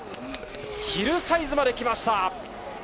ヒルサイズまで来ました。